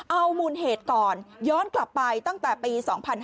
เอามูลเหตุก่อนย้อนกลับไปตั้งแต่ปี๒๕๕๙